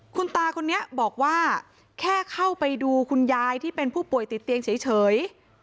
คุณตาคนนี้บอกว่าแค่เข้าไปดูคุณยายที่เป็นผู้ป่วยติดเตียงเฉย